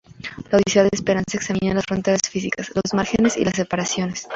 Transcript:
La odisea de Esperanza examina las fronteras físicas, los márgenes y las separaciones.